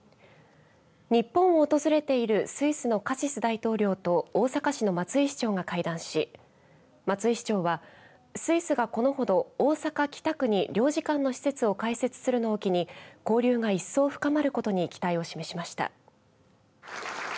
日本を訪れているスイスのカシス大統領と大阪市の松井市長が会談し松井市長はスイスがこのほど大阪、北区に領事館の施設を開設するのを機に交流が一層深まることに期待を示しました。